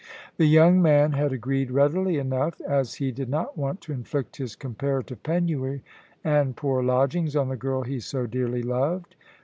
The young man had agreed readily enough, as he did not want to inflict his comparative penury, and poor lodgings, on the girl he so dearly loved.